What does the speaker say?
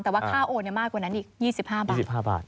แต่ว่าค่าโอนมากกว่านั้นอีก๒๕บาท๒๕บาท